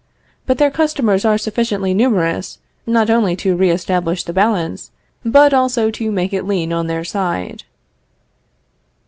But their customers are sufficiently numerous not only to re establish the balance, but also to make it lean on their side.